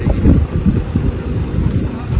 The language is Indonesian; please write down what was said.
kenapa anak muda ini